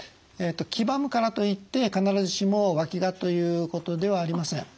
黄ばむからといって必ずしもわきがということではありません。